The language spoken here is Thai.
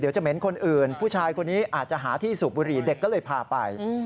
จะเหม็นคนอื่นผู้ชายคนนี้อาจจะหาที่สูบบุหรี่เด็กก็เลยพาไป